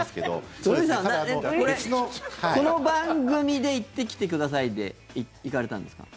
鳥海さん、この番組で行ってきてくださいで行かれたんですか？